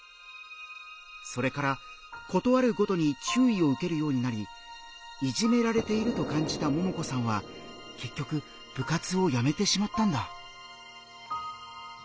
それから事あるごとに注意を受けるようになりいじめられていると感じたももこさんは結局部活をやめてしまったんだ。